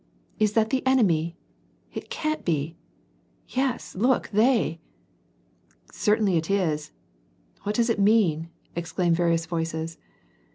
« Is that the enemy ?"—" It can't be !"—" Yes, look, they" — "Certainly it is." — "What does it mean?" ex claimed various voices.